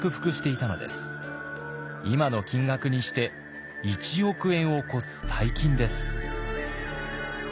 今の金額にして１億円を超す大金です。